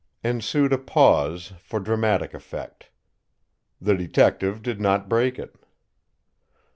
Ensued a pause, for dramatic effect. The detective did not break it.